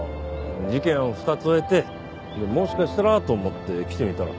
事件を２つ終えてもしかしたらと思って来てみたら。